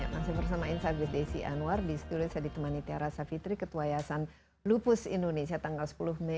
masih bersama insight with desi anwar di studio saya ditemani tiara savitri ketua yayasan lupus indonesia tanggal sepuluh mei